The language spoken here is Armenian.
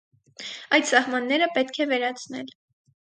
Այդ սահմանները պետք է վերացնել։